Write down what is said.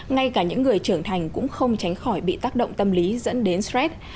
ngay cả những người trưởng thành cũng không tránh khỏi bị tác động tâm lý dẫn đến stress